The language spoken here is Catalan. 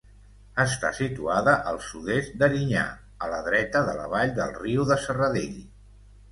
Està situada al sud-est d'Erinyà, a la dreta de la vall del riu de Serradell.